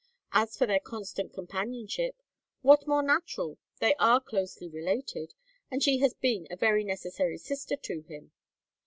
As for their constant companionship, what more natural? They are closely related, and she has been a very necessary sister to him.